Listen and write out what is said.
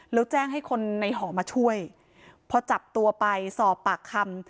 แล้วแจ้งให้คนในหอมาช่วยพอจับตัวไปสอบปากคำ